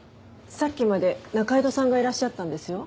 さっきまで仲井戸さんがいらっしゃったんですよ。